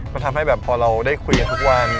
มันทำให้แบบพอเราได้คุยกันทุกวัน